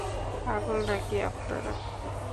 পাগল নাকি আপনারা?